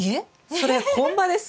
それ本葉です。